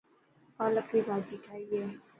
پالڪ ري ڀاڄي ٺاهي هي.